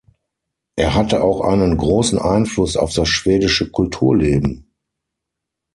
Er hatte auch einen großen Einfluss auf das schwedische Kulturleben.